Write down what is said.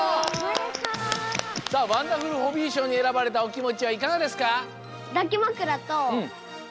さあワンダフルホビーしょうにえらばれたおきもちはいかがですか？